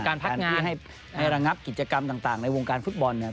พักงานให้ระงับกิจกรรมต่างในวงการฟุตบอลเนี่ย